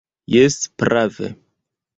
Jes, prave.